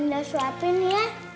ibu suapin ya